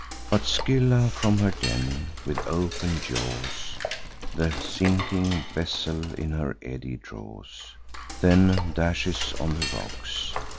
But Scylla from her den, with open jaws, The sinking vessel in her eddy draws, Then dashes on the rocks.